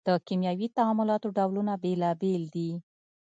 د کیمیاوي تعاملونو ډولونه بیلابیل دي.